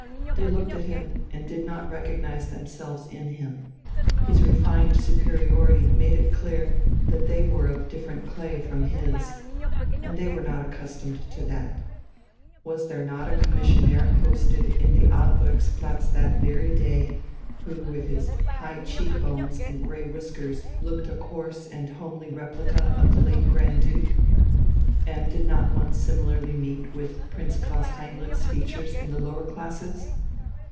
They looked at him, and did not recognize themselves in him; his refined superiority made it clear that they were of different clay from his. And they were not accustomed to that. Was there not a commissionaire posted in the Albrechtsplatz that very day, who with his high cheek bones and grey whiskers looked a coarse and homely replica of the late Grand Duke? And did one not similarly meet with Prince Klaus Heinrich's features in the lower classes?